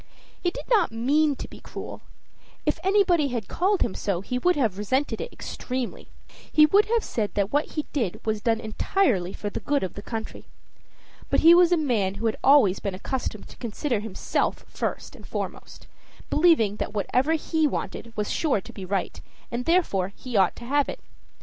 He did not mean to be cruel. If anybody had called him so, he would have resented it extremely: he would have said that what he did was done entirely for the good of the country. But he was a man who had always been accustomed to consider himself first and foremost, believing that whatever he wanted was sure to be right, and therefore he ought to have it.